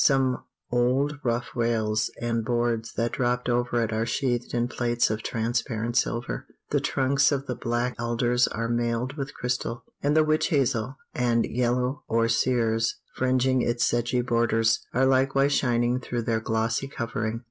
Some old rough rails and boards that dropped over it are sheathed in plates of transparent silver. The trunks of the black alders are mailed with crystal; and the witch hazel, and yellow osiers fringing its sedgy borders, are likewise shining through their glossy covering.